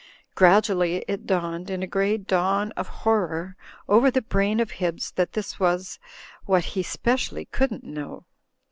Gradually it dawned, in a grey dawn of horror, over the brain of Hibbs that this was what he specially couldn't know.